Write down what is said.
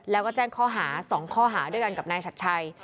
แล้วก็แจ้งข้อหา๒ข้อหาด้วยกันกับนายชัดชัย